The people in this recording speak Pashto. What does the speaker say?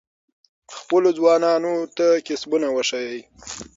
خپلو ځوانانو ته کسبونه وښایئ.